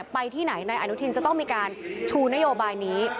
ไปที่ไหนนายอนุทินจะต้องมีการชูนโยบายนี้